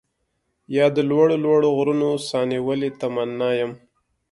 يا د لوړو لوړو غرونو، ساه نيولې تمنا يم